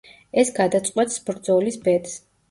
ეს გადაწყვეტს ბრძოლის ბედს.